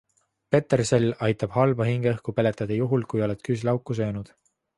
Petersell aitab halba hingeõhku peletada juhul, kui oled küüslauku söönud.